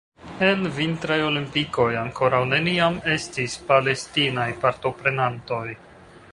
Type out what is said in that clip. En vintraj olimpikoj ankoraŭ neniam estis Palestinaj partoprenantoj.